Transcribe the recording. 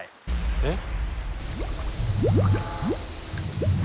えっ！